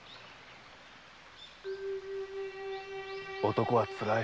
男はつらい。